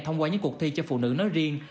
thông qua những cuộc thi cho phụ nữ nói riêng